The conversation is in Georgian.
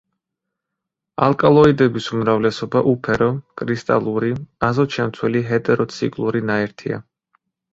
ალკალოიდების უმრავლესობა უფერო, კრისტალური, აზოტშემცველი ჰეტეროციკლური ნაერთია.